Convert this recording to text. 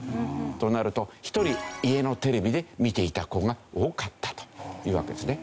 となると一人家のテレビで見ていた子が多かったというわけですね。